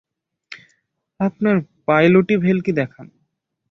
আপনার পাইলটি ভেলকি দেখান।